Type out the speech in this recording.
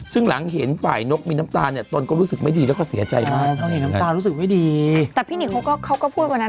ซึ่งหลังเห็นฝ่ายนกมีน้ำตาเนี่ยตนก็รู้สึกไม่ดีแล้วก็เสียใจมาก